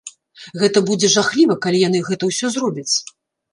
Гэта будзе жахліва, калі яны гэта ўсё зробяць.